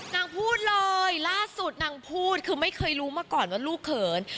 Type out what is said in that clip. นางพูดเลยล่าสุดนางพูดคือไม่เคยรู้มาก่อนว่าลูกเขิน